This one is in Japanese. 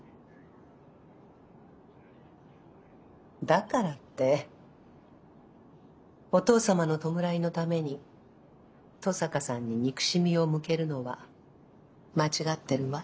だからってお父様の弔いのために登坂さんに憎しみを向けるのは間違ってるわ。